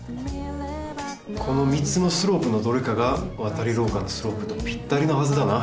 この３つのスロープのどれかがわたりろうかのスロープとぴったりなはずだな。